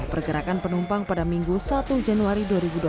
pergerakan penumpang pada minggu satu januari dua ribu dua puluh